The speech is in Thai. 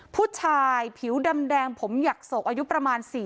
ผู้ชายผิวดำแดงผมหยักโศกอายุประมาณ๔๐